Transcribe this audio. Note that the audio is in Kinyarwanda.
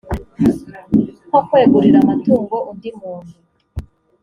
nko kwegurira umutungo undi muntu